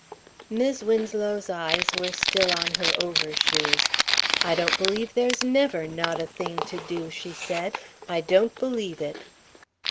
Mis' Winslow's eyes were still on her overshoes. "I don't believe there's never 'not a thing' to do," she said, "I don't believe it."